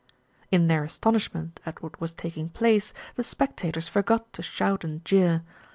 In their astonishment at what was taking place the spectators forgot to shout and jeer.